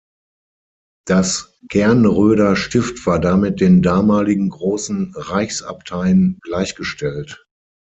Das Gernröder Stift war damit den damaligen großen Reichsabteien gleichgestellt.